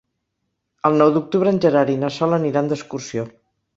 El nou d'octubre en Gerard i na Sol aniran d'excursió.